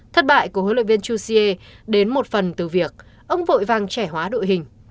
thất bại của huấn luyện viên chuse đến một phần từ việc ông vội vàng trẻ hóa đội hình